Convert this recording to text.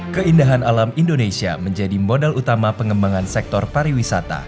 keindahan alam indonesia menjadi modal utama pengembangan sektor pariwisata